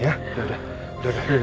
ayolah tuh gua mau ketemuan